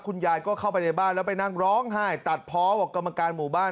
คุณยายก็เข้าไปในบ้านแล้วไปนั่งร้องไห้ตัดเพาะบอกกรรมการหมู่บ้าน